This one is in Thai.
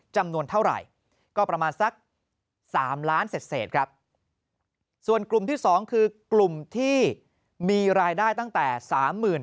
จำนวนเท่าไหร่ก็ประมาณสัก๓ล้านเศษครับส่วนกลุ่มที่๒คือกลุ่มที่มีรายได้ตั้งแต่๓๐๐๐